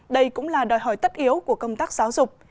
đây cũng là đòi hỏi tất yếu của công tác giáo dục